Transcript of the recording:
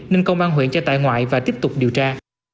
nên công an huyện cho tại ngoại và tiếp tục điều tra